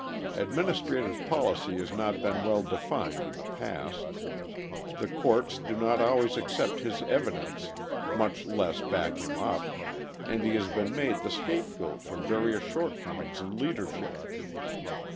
Administrative policy has not been well defined in the past. The courts do not always accept his evidence, much less back him up, and he has been made the scapegoat for various shortcomings in leadership.